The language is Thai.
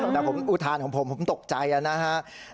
แต่ผมอุทานของผมผมตกใจนะครับ